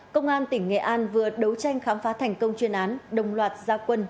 công an tỉnh nghệ an vừa đấu tranh khám phá thành công chuyên án đồng loạt gia quân